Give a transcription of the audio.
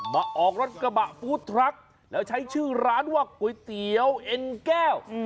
มาออกรถกระบะฟู้ดทรัคแล้วใช้ชื่อร้านว่าก๋วยเตี๋ยวเอ็นแก้ว